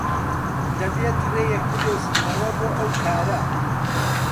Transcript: دەبێت ڕێیەک بدۆزینەوە بۆ ئەو کارە.